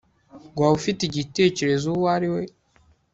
waba ufite igitekerezo uwo ari we